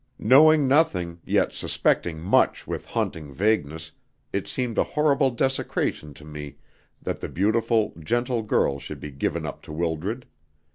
Knowing nothing, yet suspecting much with haunting vagueness, it seemed a horrible desecration to me that the beautiful, gentle girl should be given up to Wildred.